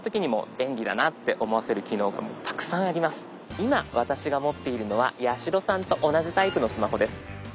今私が持っているのは八代さんと同じタイプのスマホです。